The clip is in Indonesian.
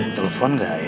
telepon nggak ya